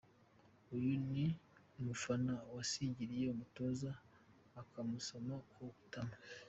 Uyu ni umufana wasingiriye umutoza akamusoma ku itama.